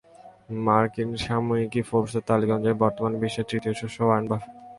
মার্কিন সাময়িকী ফোর্বস-এর তালিকা অনুযায়ী, বর্তমানে বিশ্বের তৃতীয় শীর্ষ ধনী ওয়ারেন বাফেট।